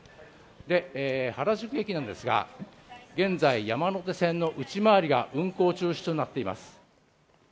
原宿駅なんですが、現在、山手線の内回りが運行中止となっています。